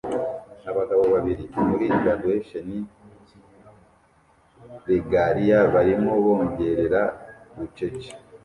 Abagabo babiri muri graduation regalia barimo bongorera bucece